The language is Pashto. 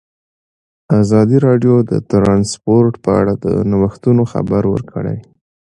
ازادي راډیو د ترانسپورټ په اړه د نوښتونو خبر ورکړی.